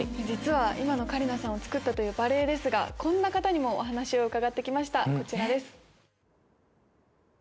実は今の香里奈さんをつくったというバレエですがこんな方にもお話を伺って来ましたこちらです。